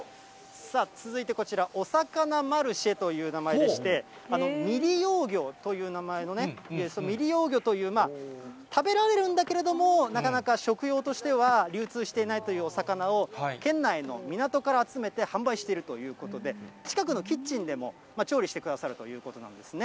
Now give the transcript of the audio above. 続いてこちら、おさかなマルシェという名前でして、未利用魚という名前のね、未利用魚という、食べられるんだけれども、なかなか食用としては流通していないというお魚を、県内の港から集めて販売しているということで、近くのキッチンでも調理してくださるということなんですね。